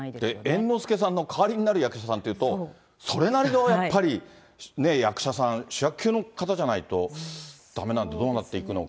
猿之助さんの代わりになる役者さんというと、それなりのやっぱり役者さん、主役級の方じゃないとだめなんで、どうなっていくのか。